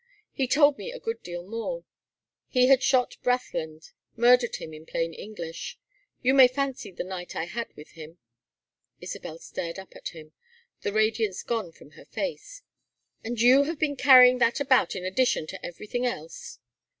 "He told me a good deal more. He had shot Brathland. Murdered him, in plain English. You may fancy the night I had with him." Isabel stared up at him, the radiance gone from her face. "And you have been carrying that about in addition to everything else?"